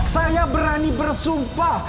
saya berani bersumpah